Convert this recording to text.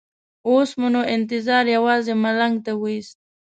اوس مو نو انتظار یوازې ملنګ ته وېست.